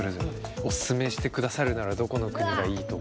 オススメしてくださるならどこの国がいいと。